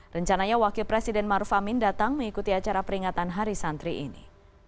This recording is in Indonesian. rencananya wakil presiden maruf amin datang mengikuti acara peringatan hari santri ini